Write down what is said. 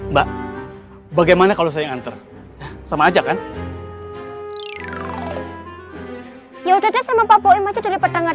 mbak bagaimana kalau saya nganter sama aja kan ya udah sama pak boim aja dari petang